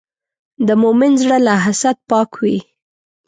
د مؤمن زړه له حسد پاک وي.